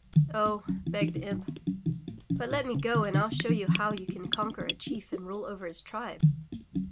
0h/' begged the imp, but let me go and FU show you how you can conquer a chief and rule over his tribe."